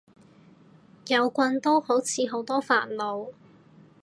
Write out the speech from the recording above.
有棍都好似好多煩惱